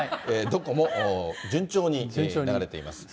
どこも順調に流れています。